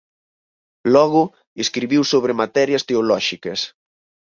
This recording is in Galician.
Logo escribiu sobre materias teolóxicas.